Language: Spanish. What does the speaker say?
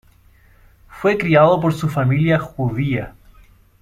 Fue criado por su familia judía.